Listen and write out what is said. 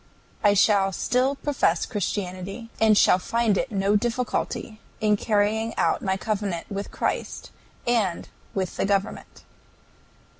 I shall still profess Christianity, and shall find no difficulty in carrying out my covenant with Christ and with the government.